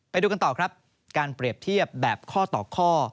ไปดูกันต่อครับการเปรียบเทียบแบบข้อต่อข้อ